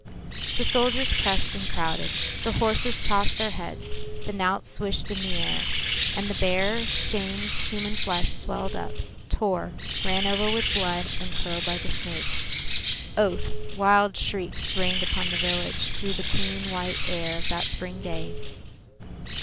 The soldiers pressed and crowded, the horses tossed their heads, the knout swished in the air, and the bare, shamed human flesh swelled up, tore, ran over with blood, and curled like a snake. Oaths, wild shrieks rained upon the village through the clean white air of that spring day.